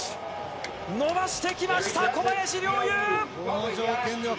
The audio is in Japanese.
伸ばしてきました